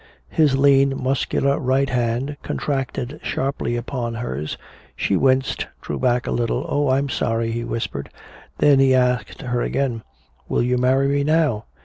His lean muscular right hand contracted sharply upon hers. She winced, drew back a little. "Oh I'm sorry!" he whispered. Then he asked her again, "Will you marry me now?"